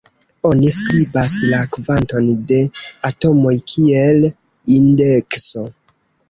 Oni skribas la kvanton de atomoj kiel indekso.